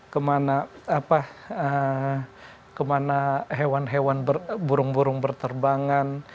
kemana hewan hewan burung burung berterbangan